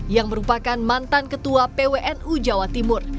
yang merupakan mantan ketua pwnu jawa timur